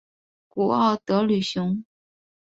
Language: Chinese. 古奥德吕雄。